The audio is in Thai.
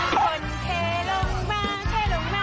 สวัสดีครับคุณผู้ชมครับ